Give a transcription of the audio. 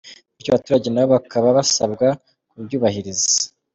Bityo abaturage nabo bakaba basabwa kubyubahiriza.